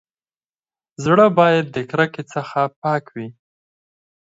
زړه بايد د کرکي څخه پاک وي.